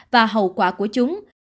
và hậu quả của chúng